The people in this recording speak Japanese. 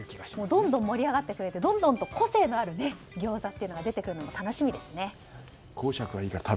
どんどん盛り上がってどんどん個性のある餃子が出るのが楽しみですね。